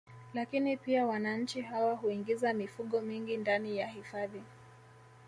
Lakini pia wananchi hawa huingiza mifugo mingi ndani ya hifadhi